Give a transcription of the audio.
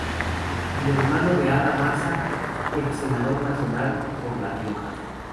Es hermano de Ada Maza, ex senadora nacional por la Rioja.